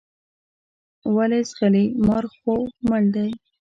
ولې ځغلې مار خو مړ دی.